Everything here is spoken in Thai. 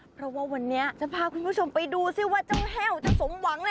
เพราะว่าวันนี้จะพาคุณผู้ชมไปดูซิว่าเจ้าแห้วจะสมหวังนะ